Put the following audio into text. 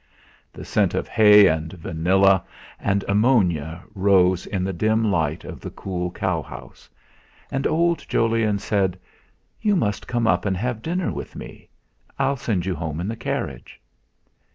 The scent of hay and vanilla and ammonia rose in the dim light of the cool cow house; and old Jolyon said: "You must come up and have some dinner with me. I'll send you home in the carriage."